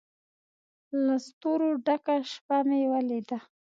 له ستورو ډکه شپه مې ولیده